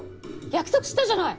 約束したじゃない！